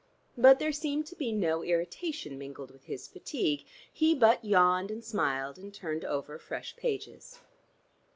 But there seemed to be no irritation mingled with his fatigue: he but yawned and smiled, and turned over fresh pages.